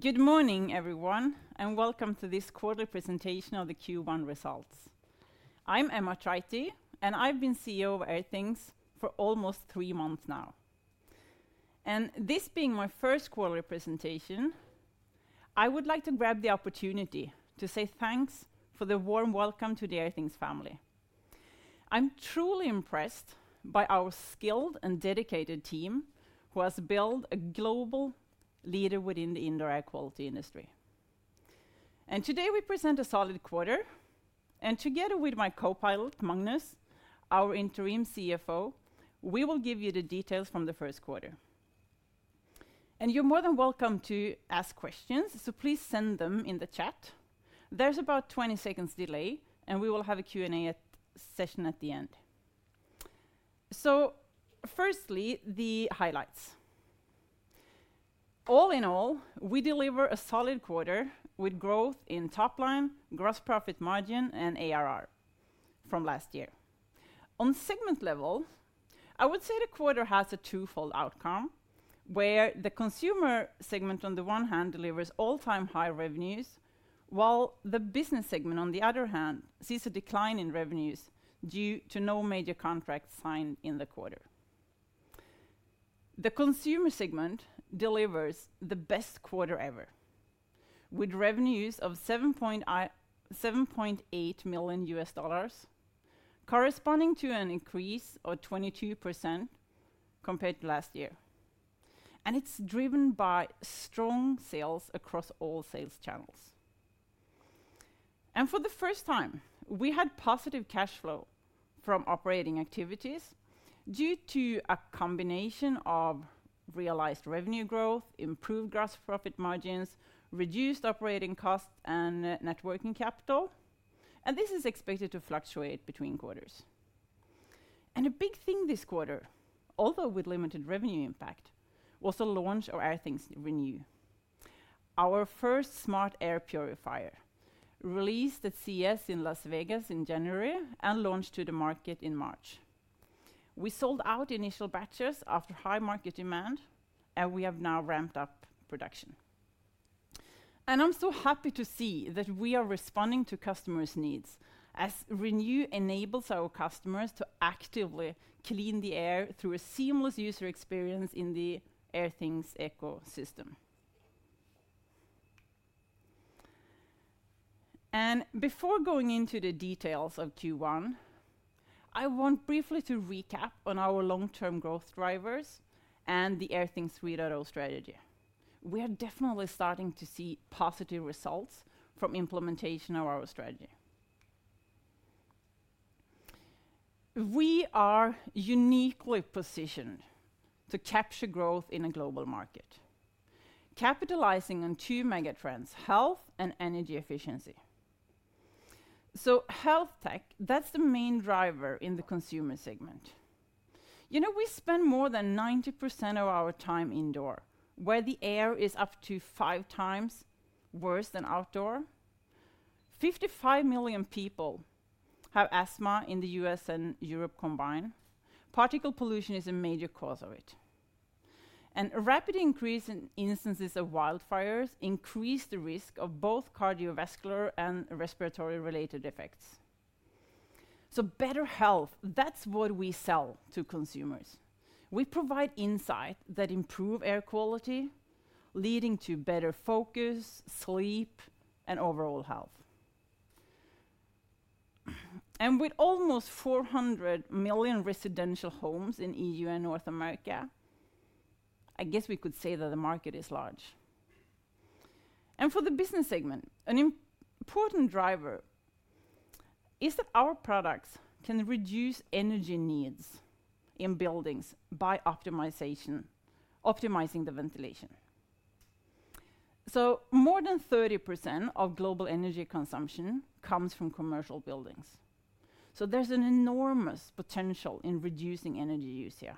Good morning, everyone, and welcome to this quarterly presentation of the Q1 results. I'm Emma Tryti, and I've been CEO of Airthings for almost three months now. This being my first quarterly presentation, I would like to grab the opportunity to say thanks for the warm welcome to the Airthings family. I'm truly impressed by our skilled and dedicated team who has built a global leader within the indoor air quality industry. Today we present a solid quarter, and together with my co-pilot, Magnus, our Interim CFO, we will give you the details from the first quarter. You're more than welcome to ask questions, so please send them in the chat. There's about 20 seconds delay, and we will have a Q&A session at the end. Firstly, the highlights. All in all, we deliver a solid quarter with growth in top line, gross profit margin, and ARR from last year. On segment level, I would say the quarter has a twofold outcome where the consumer segment on the one hand delivers all-time high revenues, while the business segment on the other hand sees a decline in revenues due to no major contracts signed in the quarter. The consumer segment delivers the best quarter ever with revenues of $7.8 million, corresponding to an increase of 22% compared to last year. It's driven by strong sales across all sales channels. For the first time, we had positive cash flow from operating activities due to a combination of realized revenue growth, improved gross profit margins, reduced operating costs, and net working capital. This is expected to fluctuate between quarters. A big thing this quarter, although with limited revenue impact, was the launch of Airthings Renew, our first smart air purifier released at CES in Las Vegas in January and launched to the market in March. We sold out initial batches after high market demand, and we have now ramped up production. I'm so happy to see that we are responding to customers' needs as Renew enables our customers to actively clean the air through a seamless user experience in the Airthings ecosystem. Before going into the details of Q1, I want briefly to recap on our long-term growth drivers and the Airthings 3.0 strategy. We are definitely starting to see positive results from implementation of our strategy. We are uniquely positioned to capture growth in a global market, capitalizing on two megatrends: health and energy efficiency. So health tech, that's the main driver in the consumer segment. We spend more than 90% of our time indoors, where the air is up to five times worse than outdoors. 55 million people have asthma in the U.S. and Europe combined. Particle pollution is a major cause of it. A rapid increase in instances of wildfires increases the risk of both cardiovascular and respiratory-related effects. So better health, that's what we sell to consumers. We provide insight that improves air quality, leading to better focus, sleep, and overall health. With almost 400 million residential homes in EU and North America, I guess we could say that the market is large. For the business segment, an important driver is that our products can reduce energy needs in buildings by optimizing the ventilation. So more than 30% of global energy consumption comes from commercial buildings. So there's an enormous potential in reducing energy use here.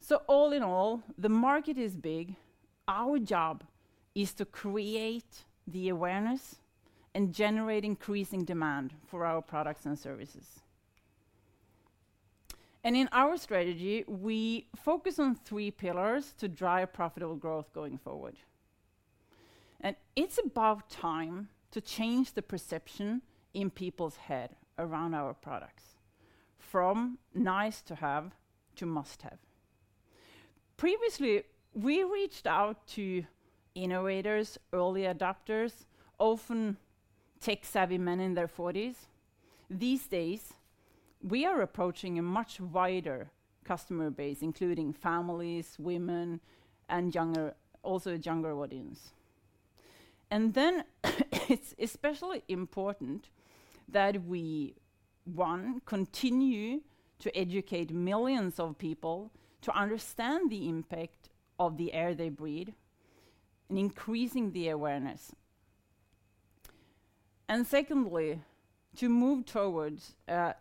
So all in all, the market is big. Our job is to create the awareness and generate increasing demand for our products and services. And in our strategy, we focus on three pillars to drive profitable growth going forward. And it's about time to change the perception in people's heads around our products from nice-to-have to must-have. Previously, we reached out to innovators, early adopters, often tech-savvy men in their 40s. These days, we are approaching a much wider customer base, including families, women, and also younger audiences. And then it's especially important that we, one, continue to educate millions of people to understand the impact of the air they breathe and increasing the awareness. And secondly, to move towards a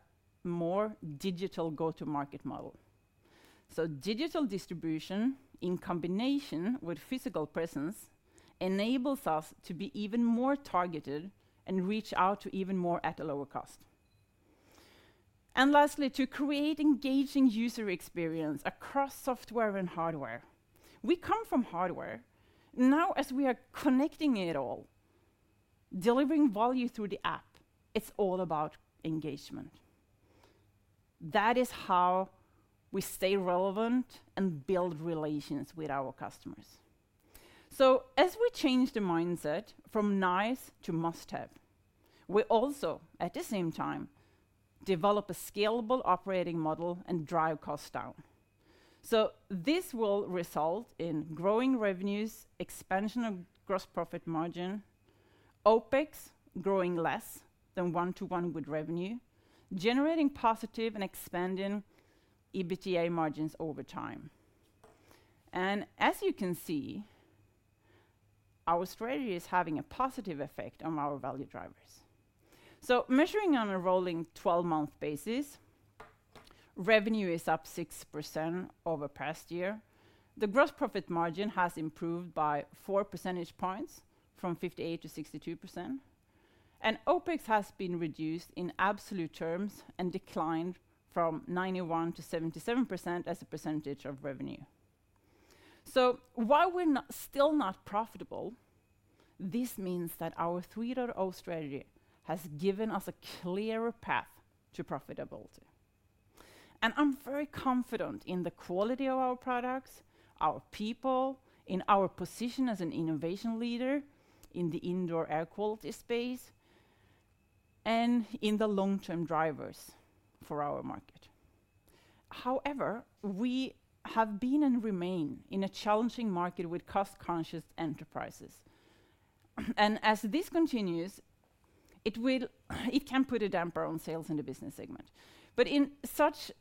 more digital go-to-market model. Digital distribution in combination with physical presence enables us to be even more targeted and reach out to even more at a lower cost. And lastly, to create engaging user experiences across software and hardware. We come from hardware. Now, as we are connecting it all, delivering value through the app, it's all about engagement. That is how we stay relevant and build relations with our customers. So as we change the mindset from nice-to-must-have, we also, at the same time, develop a scalable operating model and drive costs down. So this will result in growing revenues, expansion of gross profit margin, OPEX growing less than 1-to-1 with revenue, generating positive and expanding EBITDA margins over time. And as you can see, our strategy is having a positive effect on our value drivers. So measuring on a rolling 12-month basis, revenue is up 6% over past year. The gross profit margin has improved by four percentage points from 58% to 62%. OPEX has been reduced in absolute terms and declined from 91% to 77% as a percentage of revenue. While we're still not profitable, this means that our 3.0 strategy has given us a clearer path to profitability. I'm very confident in the quality of our products, our people, in our position as an innovation leader in the indoor air quality space, and in the long-term drivers for our market. However, we have been and remain in a challenging market with cost-conscious enterprises. As this continues, it can put a damper on sales in the business segment. In such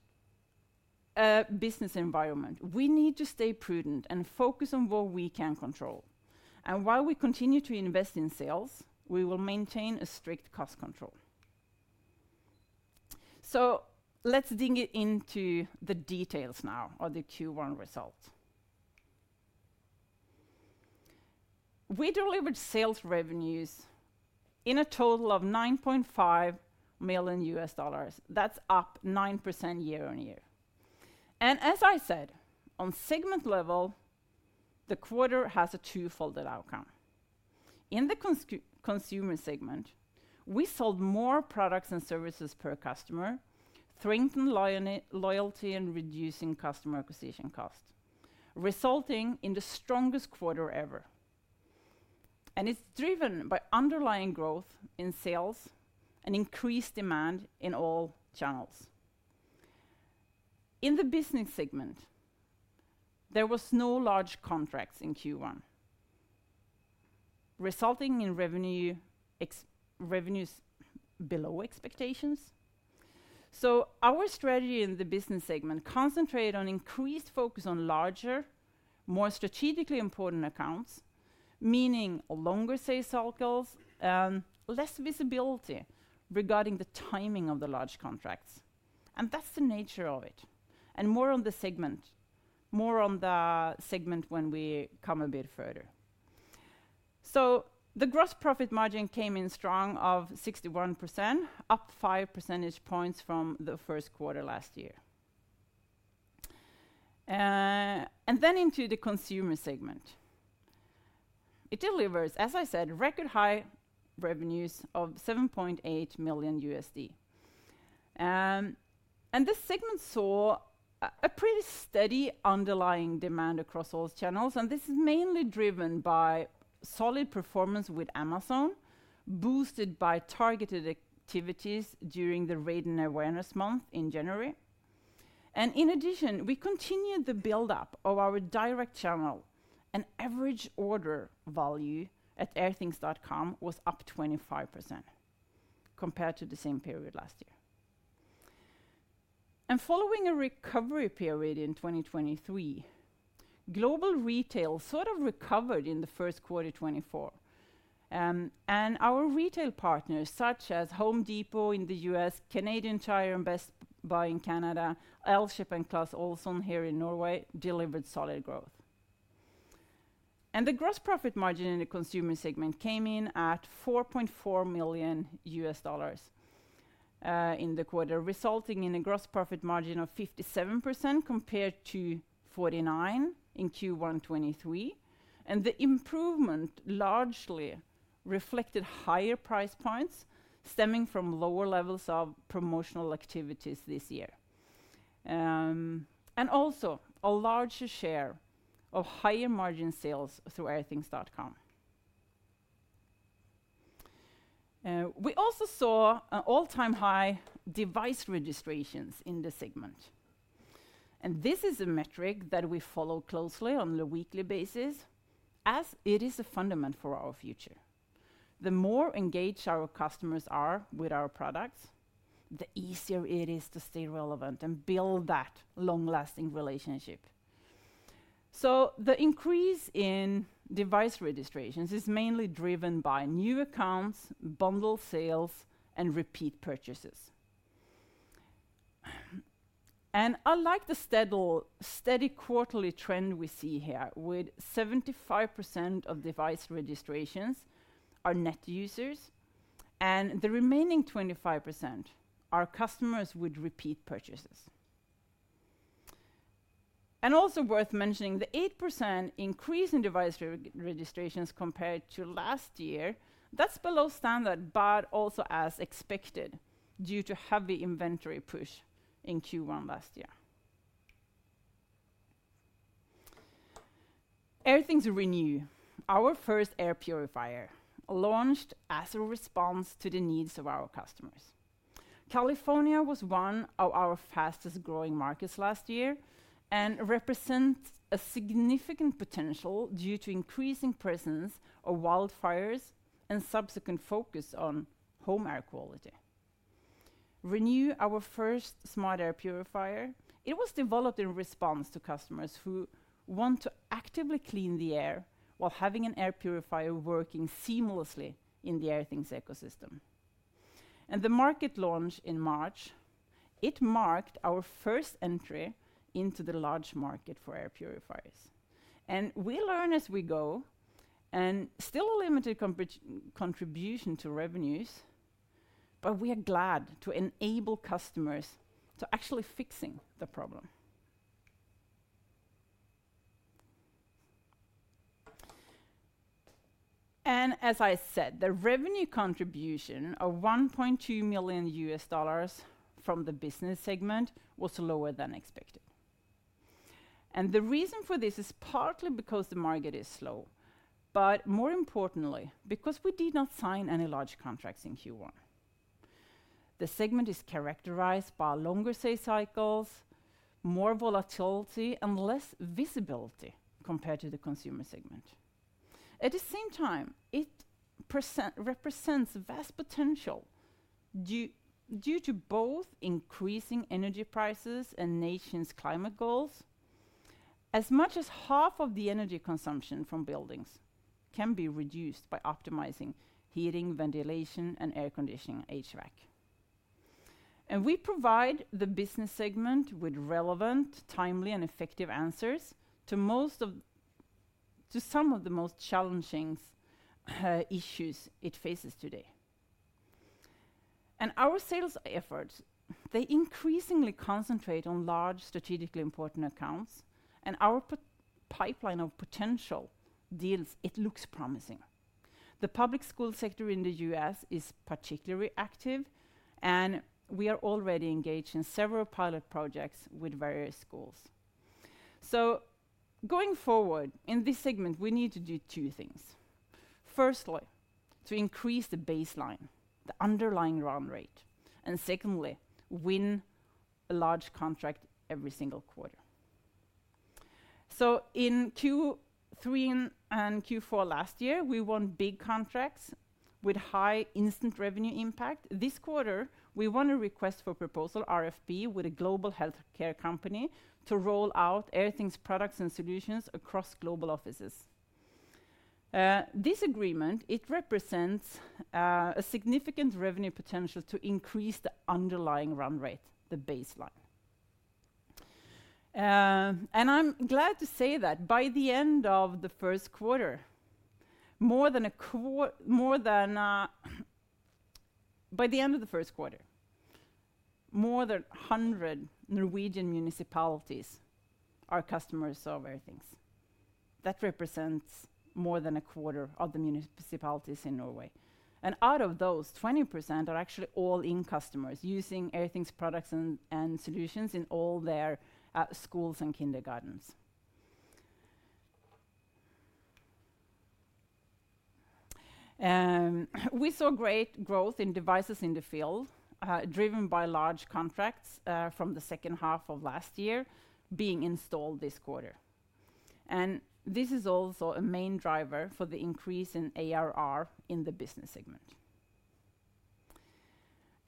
a business environment, we need to stay prudent and focus on what we can control. While we continue to invest in sales, we will maintain a strict cost control. So let's dig into the details now of the Q1 results. We delivered sales revenues in a total of $9.5 million. That's up 9% year-on-year. As I said, on segment level, the quarter has a twofold outcome. In the consumer segment, we sold more products and services per customer, strengthened loyalty, and reduced customer acquisition costs, resulting in the strongest quarter ever. It's driven by underlying growth in sales and increased demand in all channels. In the business segment, there were no large contracts in Q1, resulting in revenues below expectations. Our strategy in the business segment concentrated on increased focus on larger, more strategically important accounts, meaning longer sales cycles and less visibility regarding the timing of the large contracts. That's the nature of it. More on the segment, more on the segment when we come a bit further. So the gross profit margin came in strong at 61%, up five percentage points from the first quarter last year. And then into the consumer segment, it delivers, as I said, record high revenues of $7.8 million. And this segment saw a pretty steady underlying demand across all channels. And this is mainly driven by solid performance with Amazon, boosted by targeted activities during the Radon Awareness Month in January. And in addition, we continued the buildup of our direct channel, and average order value at Airthings.com was up 25% compared to the same period last year. And following a recovery period in 2023, global retail sort of recovered in the first quarter 2024. And our retail partners, such as Home Depot in the U.S., Canadian Tire and Best Buy in Canada, Elkjøp and Clas Ohlson here in Norway, delivered solid growth. The gross profit margin in the consumer segment came in at $4.4 million in the quarter, resulting in a gross profit margin of 57% compared to 49% in Q1 2023. The improvement largely reflected higher price points stemming from lower levels of promotional activities this year, and also a larger share of higher margin sales through Airthings.com. We also saw all-time high device registrations in the segment. This is a metric that we follow closely on a weekly basis as it is a fundament for our future. The more engaged our customers are with our products, the easier it is to stay relevant and build that long-lasting relationship. The increase in device registrations is mainly driven by new accounts, bundle sales, and repeat purchases. I like the steady quarterly trend we see here, with 75% of device registrations being net users and the remaining 25% being customers with repeat purchases. Also worth mentioning, the 8% increase in device registrations compared to last year, that's below standard but also as expected due to heavy inventory push in Q1 last year. Airthings Renew, our first air purifier, launched as a response to the needs of our customers. California was one of our fastest-growing markets last year and represents a significant potential due to increasing presence of wildfires and subsequent focus on home air quality. Renew, our first smart air purifier, was developed in response to customers who want to actively clean the air while having an air purifier working seamlessly in the Airthings ecosystem. The market launch in March, it marked our first entry into the large market for air purifiers. We learn as we go and still have a limited contribution to revenues, but we are glad to enable customers to actually fix the problem. As I said, the revenue contribution of $1.2 million from the business segment was lower than expected. And the reason for this is partly because the market is slow, but more importantly, because we did not sign any large contracts in Q1. The segment is characterized by longer sale cycles, more volatility, and less visibility compared to the consumer segment. At the same time, it represents vast potential due to both increasing energy prices and nation's climate goals, as much as half of the energy consumption from buildings can be reduced by optimizing heating, ventilation, and air conditioning (HVAC). We provide the business segment with relevant, timely, and effective answers to some of the most challenging issues it faces today. Our sales efforts, they increasingly concentrate on large, strategically important accounts. Our pipeline of potential deals, it looks promising. The public school sector in the U.S. is particularly active, and we are already engaged in several pilot projects with various schools. So going forward, in this segment, we need to do two things. Firstly, to increase the baseline, the underlying run rate. Secondly, win a large contract every single quarter. So in Q3 and Q4 last year, we won big contracts with high instant revenue impact. This quarter, we won a request for proposal (RFP) with a global healthcare company to roll out Airthings products and solutions across global offices. This agreement, it represents a significant revenue potential to increase the underlying run rate, the baseline. I'm glad to say that by the end of the first quarter, more than a quarter more than by the end of the first quarter, more than 100 Norwegian municipalities are customers of Airthings. That represents more than a quarter of the municipalities in Norway. And out of those, 20% are actually all-in customers using Airthings products and solutions in all their schools and kindergartens. We saw great growth in devices in the field driven by large contracts from the second half of last year being installed this quarter. And this is also a main driver for the increase in ARR in the business segment.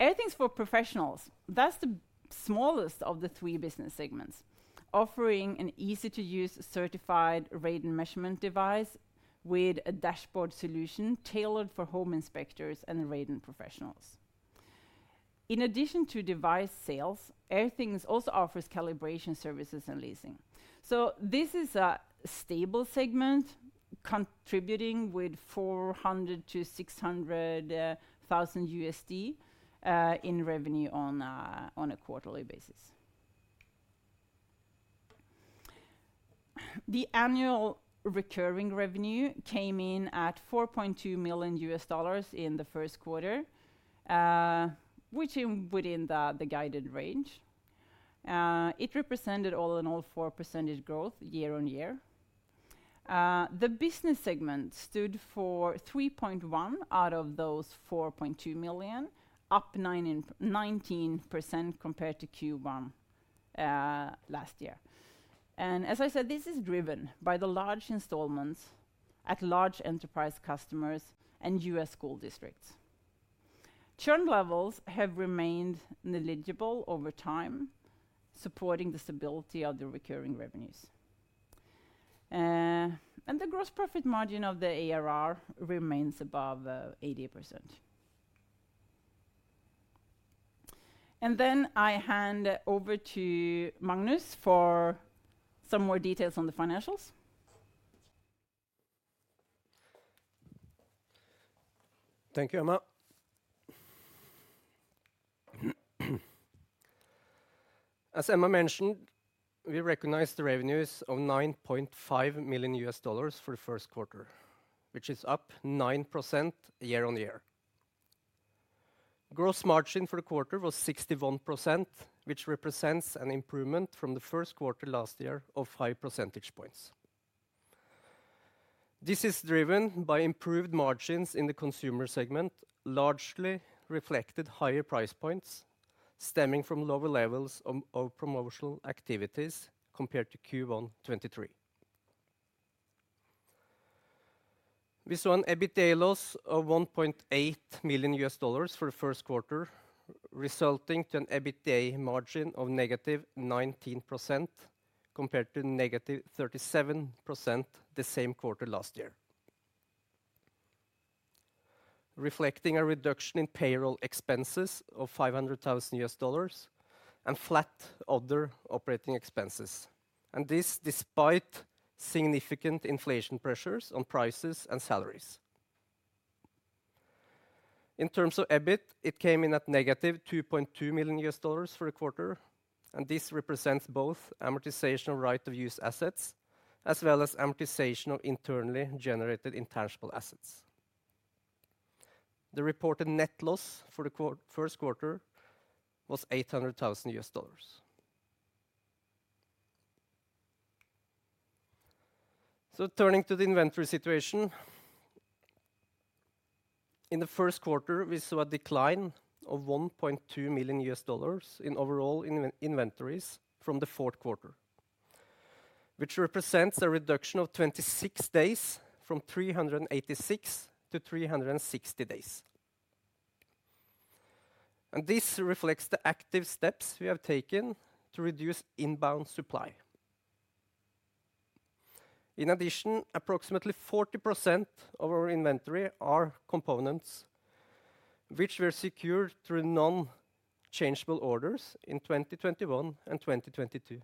Airthings for Professionals, that's the smallest of the three business segments, offering an easy-to-use, certified radon measurement device with a dashboard solution tailored for home inspectors and radon professionals. In addition to device sales, Airthings also offers calibration services and leasing. This is a stable segment contributing with $400,000-$600,000 in revenue on a quarterly basis. The annual recurring revenue came in at $4.2 million in the first quarter, which is within the guided range. It represented all in all 4% growth year-on-year. The business segment stood for 3.1 out of those $4.2 million, up 19% compared to Q1 last year. And as I said, this is driven by the large installments at large enterprise customers and U.S. school districts. Churn levels have remained negligible over time, supporting the stability of the recurring revenues. And the gross profit margin of the ARR remains above 80%. And then I hand over to Magnus for some more details on the financials. Thank you, Emma. As Emma mentioned, we recognized the revenues of $9.5 million for the first quarter, which is up 9% year-on-year. Gross margin for the quarter was 61%, which represents an improvement from the first quarter last year of five percentage points. This is driven by improved margins in the consumer segment, largely reflected higher price points stemming from lower levels of promotional activities compared to Q1 2023. We saw an EBITDA loss of $1.8 million for the first quarter, resulting in an EBITDA margin of -19% compared to -37% the same quarter last year, reflecting a reduction in payroll expenses of $500,000 and flat other operating expenses. This despite significant inflation pressures on prices and salaries. In terms of EBIT, it came in at -$2.2 million for the quarter. This represents both amortization of right-of-use assets as well as amortization of internally generated intangible assets. The reported net loss for the first quarter was $800,000. Turning to the inventory situation, in the first quarter, we saw a decline of $1.2 million in overall inventories from the fourth quarter, which represents a reduction of 26 days from 386 to 360 days. This reflects the active steps we have taken to reduce inbound supply. In addition, approximately 40% of our inventory are components, which were secured through non-changeable orders in 2021 and 2022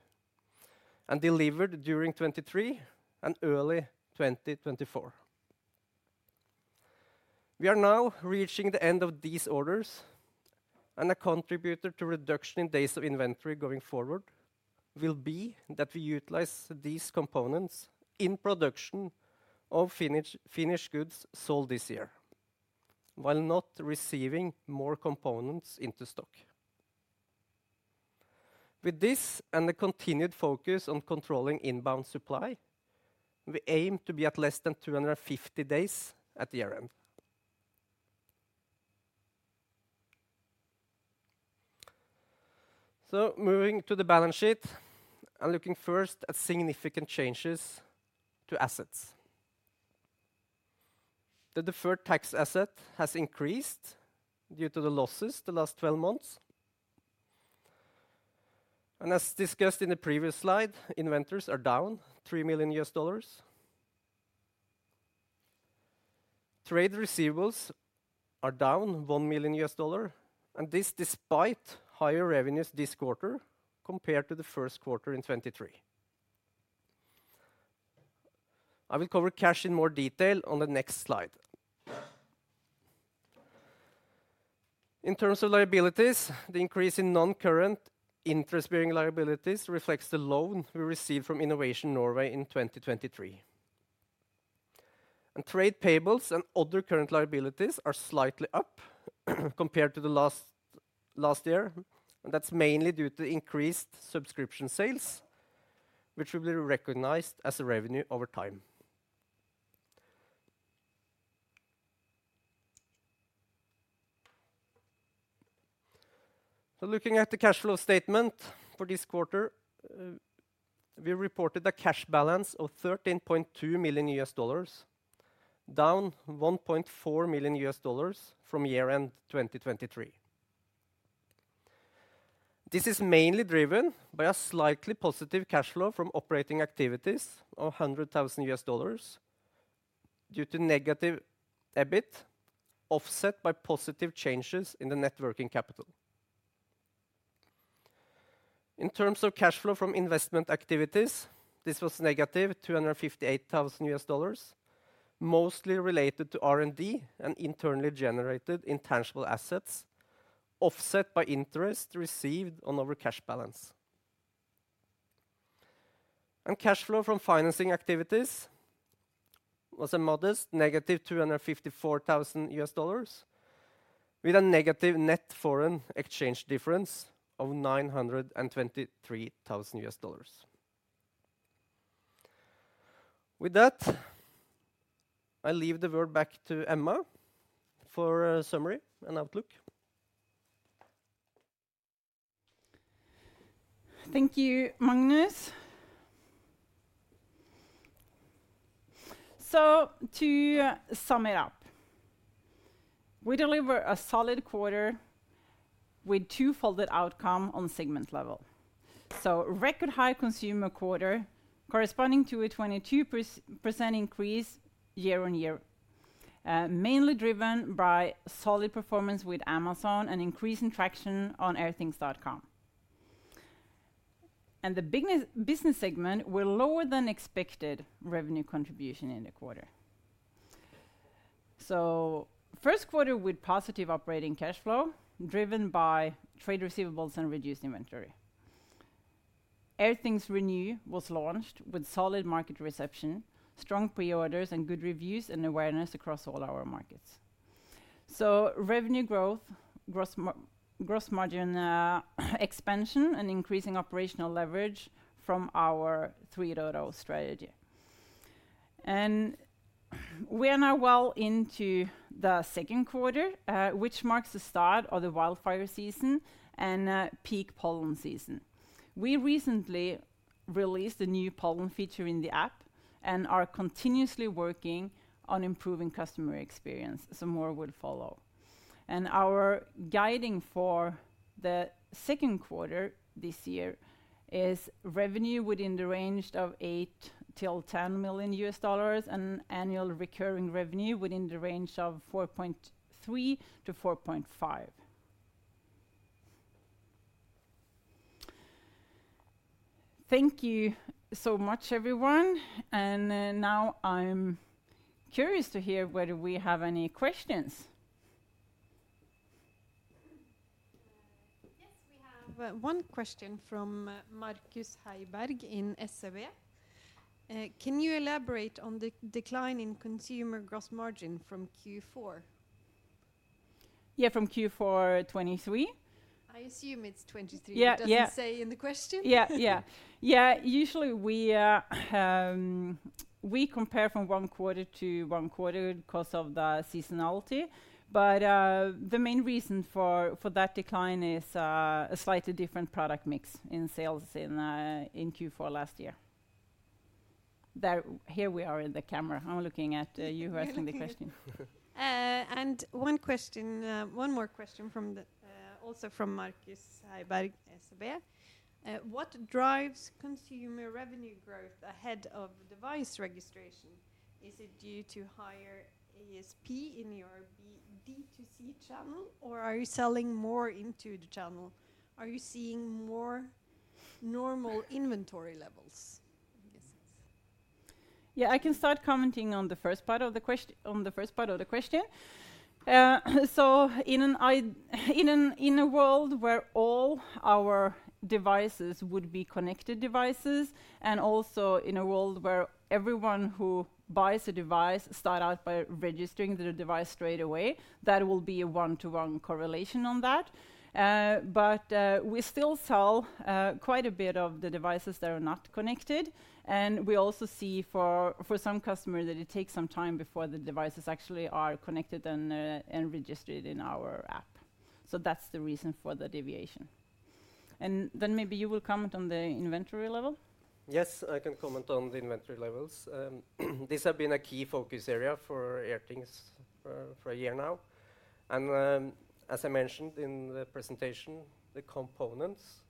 and delivered during 2023 and early 2024. We are now reaching the end of these orders. A contributor to reduction in days of inventory going forward will be that we utilize these components in production of finished goods sold this year while not receiving more components into stock. With this and the continued focus on controlling inbound supply, we aim to be at less than 250 days at year-end. So moving to the balance sheet and looking first at significant changes to assets, the deferred tax asset has increased due to the losses the last 12 months. As discussed in the previous slide, inventories are down $3 million. Trade receivables are down $1 million. This despite higher revenues this quarter compared to the first quarter in 2023. I will cover cash in more detail on the next slide. In terms of liabilities, the increase in non-current interest-bearing liabilities reflects the loan we received from Innovation Norway in 2023. Trade payables and other current liabilities are slightly up compared to the last year. That's mainly due to increased subscription sales, which will be recognized as revenue over time. Looking at the cash flow statement for this quarter, we reported a cash balance of $13.2 million, down $1.4 million from year-end 2023. This is mainly driven by a slightly positive cash flow from operating activities of $100,000 due to negative EBIT offset by positive changes in the net working capital. In terms of cash flow from investment activities, this was negative $258,000, mostly related to R&D and internally generated intangible assets offset by interest received on over-cash balance. Cash flow from financing activities was a modest -$254,000 with a negative net foreign exchange difference of $923,000. With that, I leave the word back to Emma for a summary and outlook. Thank you, Magnus. To sum it up, we deliver a solid quarter with twofold outcome on segment level. Record high consumer quarter corresponding to a 22% increase year-over-year, mainly driven by solid performance with Amazon and increasing traction on Airthings.com. The business segment were lower than expected revenue contribution in the quarter. First quarter with positive operating cash flow driven by trade receivables and reduced inventory. Airthings Renew was launched with solid market reception, strong pre-orders, and good reviews and awareness across all our markets. Revenue growth, gross margin expansion, and increasing operational leverage from our 3.0 strategy. We are now well into the second quarter, which marks the start of the wildfire season and peak pollen season. We recently released a new pollen feature in the app and are continuously working on improving customer experience. More will follow. Our guidance for the second quarter this year is revenue within the range of $8 million-$10 million and annual recurring revenue within the range of $4.3 million-$4.5 million. Thank you so much, everyone. And now I'm curious to hear whether we have any questions. Yes, we have one question from Markus Heiberg in SEB. Can you elaborate on the decline in consumer gross margin from Q4? Yeah, from Q4 2023. I assume it's 2023. It doesn't say in the question. Yeah, yeah. Yeah, usually we compare from one quarter to one quarter because of the seasonality. But the main reason for that decline is a slightly different product mix in sales in Q4 last year. Here we are in the camera. I'm looking at you who are asking the question. One question, one more question also from Markus Heiberg, SEB. What drives consumer revenue growth ahead of device registration? Is it due to higher ASP in your D2C channel, or are you selling more into the channel? Are you seeing more normal inventory levels? Yeah, I can start commenting on the first part of the question on the first part of the question. So in a world where all our devices would be connected devices and also in a world where everyone who buys a device starts out by registering the device straight away, that will be a one-to-one correlation on that. But we still sell quite a bit of the devices that are not connected. And we also see for some customers that it takes some time before the devices actually are connected and registered in our app. So that's the reason for the deviation. And then maybe you will comment on the inventory level. Yes, I can comment on the inventory levels. These have been a key focus area for Airthings for a year now. As I mentioned in the presentation, the components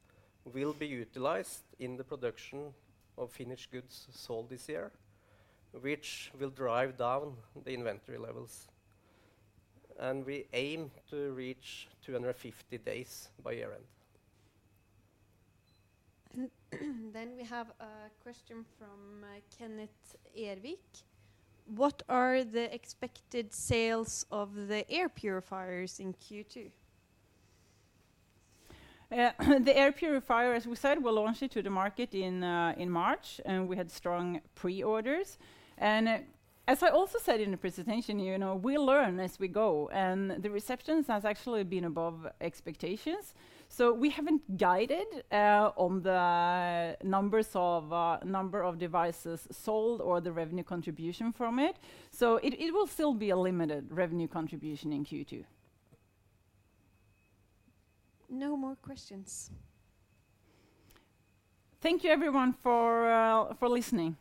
will be utilized in the production of finished goods sold this year, which will drive down the inventory levels. We aim to reach 250 days by year-end. We have a question from Kenneth Ervik. What are the expected sales of the air purifiers in Q2? The air purifier, as we said, will launch it to the market in March. We had strong pre-orders. As I also said in the presentation, we learn as we go. The reception has actually been above expectations. We haven't guided on the numbers of number of devices sold or the revenue contribution from it. It will still be a limited revenue contribution in Q2. No more questions. Thank you, everyone, for listening.